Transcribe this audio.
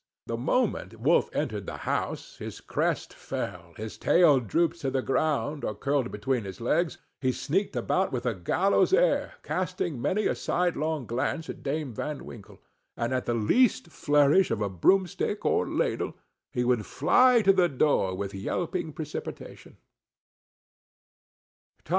The moment Wolf entered the house his crest fell, his tail drooped to the ground, or curled between his legs, he sneaked about with a gallows air, casting many a sidelong glance at Dame Van Winkle, and at the least flourish of a broom stick or ladle, he would fly to the door with yelping precipitation.